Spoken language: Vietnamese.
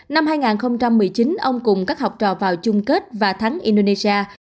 năm hai nghìn một mươi chín ông cùng các học trò vào chung kết và thắng indonesia